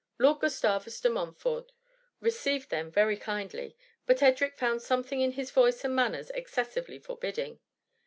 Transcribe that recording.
'* Lord Gustavus de Montfort received them very kindly, but Edric found something in his voice and manners excessively forbidding.